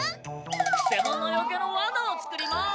くせ者よけのワナを作ります！